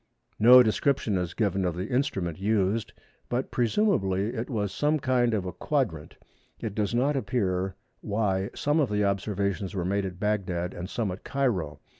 No description is given of the instrument used, but presumably it was some kind of a quadrant. It does not appear why some of the observations were made at Bagdad and some at Cairo.